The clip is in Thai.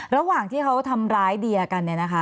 ระหว่างที่เขาทำร้ายเดียกันเนี่ยนะคะ